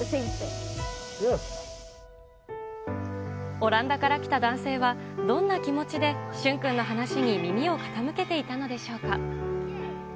オランダから来た男性は、どんな気持ちで駿君の話に耳を傾けていたんでしょうか。